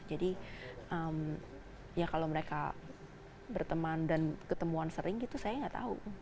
jadi ya kalau mereka berteman dan ketemuan sering gitu saya nggak tahu